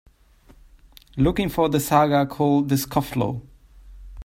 Looking for the saga called The Scofflaw